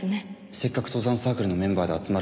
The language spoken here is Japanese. せっかく登山サークルのメンバーで集まるんだから。